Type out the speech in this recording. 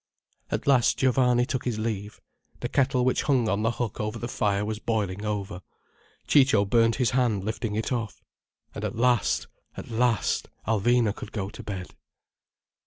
At last Giovanni took his leave—the kettle which hung on the hook over the fire was boiling over. Ciccio burnt his hand lifting it off. And at last, at last Alvina could go to bed.